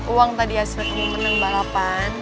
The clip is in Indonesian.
uang tadi hasil kamu menang balapan